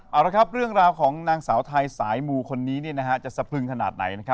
เอาละครับเรื่องราวของนางสาวไทยสายมูคนนี้จะสะพรึงขนาดไหน